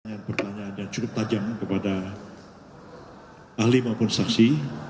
pertanyaan pertanyaan yang cukup tajam kepada ahli maupun saksi